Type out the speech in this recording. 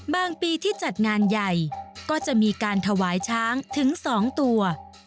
ปีที่จัดงานใหญ่ก็จะมีการถวายช้างถึง๒ตัว